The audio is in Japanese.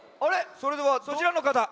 それではそちらのかた。